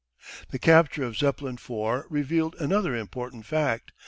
The capture of Zeppelin IV revealed another important fact.